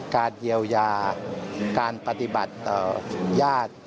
การเยียวยาการปฏิบัติต่อญาติ